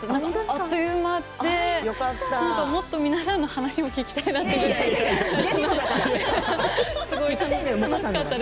あっという間でもっと皆さんの話を聞きたかったなって。